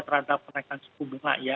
terhadap kenaikan suku bunga ya